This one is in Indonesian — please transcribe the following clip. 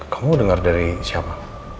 kamu dengar dari siapa